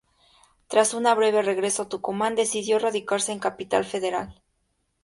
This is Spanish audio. Tras un breve regreso a Tucumán, decidió radicarse en Capital Federal.